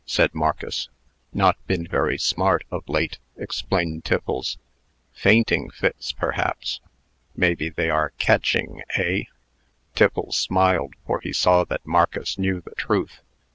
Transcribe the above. said Marcus. "Not been very smart, of late," explained Tiffles. "Fainting fits, perhaps. Maybe they are catching, eh?" Tiffles smiled, for he saw that Marcus knew the truth.